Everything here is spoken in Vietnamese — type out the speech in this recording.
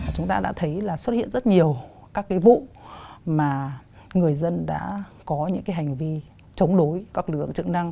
chúng ta đã thấy xuất hiện rất nhiều các vụ mà người dân đã có những hành vi chống đối các lượng chức năng